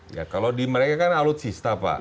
ya kalau di mereka kan alutsista pak